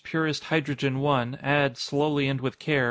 purest Hydrogen 1 add, slowly and with care, 1.